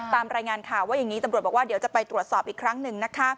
ตามรายงานข่าวว่าอย่างนี้ตำรวจบอกว่าเดี๋ยวจะไปตรวจสอบอีกครั้งหนึ่งนะคะ